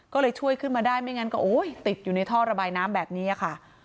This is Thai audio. ก็เลยช่วยขึ้นมาได้ไม่งั้นก็โอ้ยติดอยู่ในท่อระบายน้ำแบบนี้ค่ะ